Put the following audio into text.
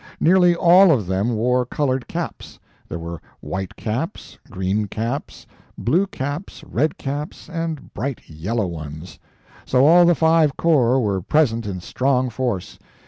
Nearly all of them wore colored caps; there were white caps, green caps, blue caps, red caps, and bright yellow ones; so, all the five corps were present in strong force.